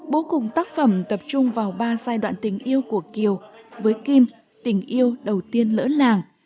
bố cùng tác phẩm tập trung vào ba giai đoạn tình yêu của kiều với kim tình yêu đầu tiên lỡ làng